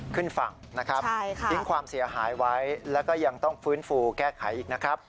ขึ้นฝั่งนะครับทิ้งความเสียหายไว้แล้วก็ยังต้องฟื้นฟูแก้ไขอีกนะครับ